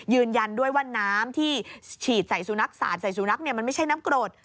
ยืนยันด้วยว่าน้ำที่ฉีดใส่สุนัขสาดใส่สุนัขเนี่ยมันไม่ใช่น้ำกรด